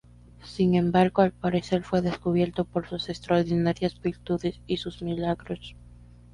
Sin embargo, al parecer fue descubierto por sus extraordinarias virtudes y sus milagros.